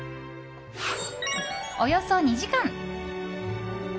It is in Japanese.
およそ２時間。